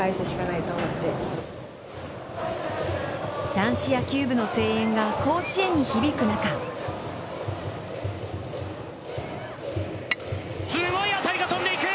男子野球部の声援が甲子園に響く中すごい当たりが飛んでいく！